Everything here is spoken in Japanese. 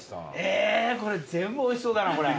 えー全部おいしそうだなこれ。